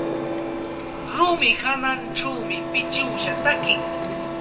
Rumi hawanćhawmi pichiwsa taki.